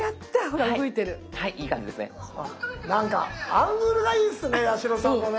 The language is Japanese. アングルがいいっすね八代さんのね。